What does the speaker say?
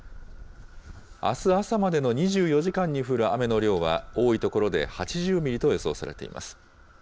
あす朝までの２４時間に降る雨の量は、多い所で８０ミリと予想されています。